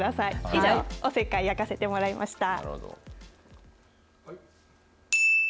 以上、おせっかい焼かせていただきました。